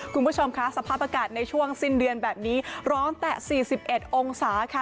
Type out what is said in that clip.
คุณผู้ชมค่ะสภาพอากาศในช่วงสิ้นเดือนแบบนี้ร้อนแต่๔๑องศาค่ะ